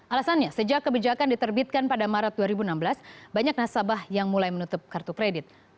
alasannya sejak kebijakan diterbitkan pada maret dua ribu enam belas banyak nasabah yang mulai menutup kartu kredit